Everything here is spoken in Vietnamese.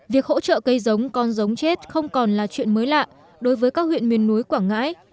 việc hỗ trợ cây giống con giống chết không còn là chuyện mới lạ đối với các huyện miền núi quảng ngãi